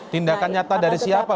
tindakan nyata dari siapa